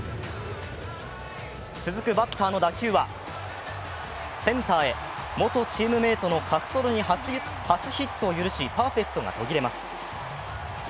続くバッターの打球はセンターへ元チームメートのカストロに初ヒットを許しパーフェクトが途切れます。